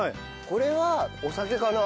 これはお酒かな？